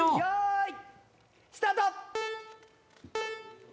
よいスタート！